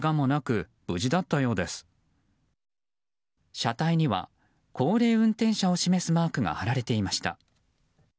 車体には高齢運転者を示すマークが貼られていました。